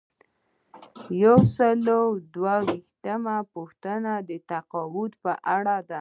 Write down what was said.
یو سل او دوه ویشتمه پوښتنه د تقاعد په اړه ده.